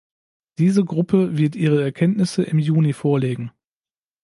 Diese Gruppe wird ihre Erkenntnisse im Juni vorlegen.